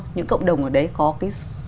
những cộng đồng ở đấy có cái